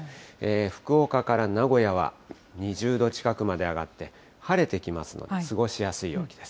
福岡から名古屋は２０度近くまで上がって、晴れてきますので、過ごしやすい陽気です。